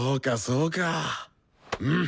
うん！